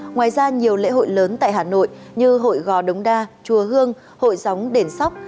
ngoài ra nhiều lễ hội lớn tại hà nội như hội gò đống đa chùa hương hội gióng đền sóc